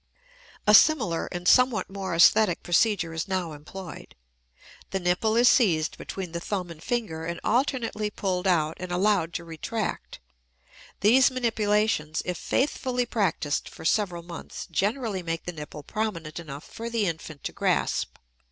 A similar and somewhat more aesthetic procedure is now employed. The nipple is seized between the thumb and finger and alternately pulled out and allowed to retract. These manipulations, if faithfully practiced for several months, generally make the nipple prominent enough for the infant to grasp.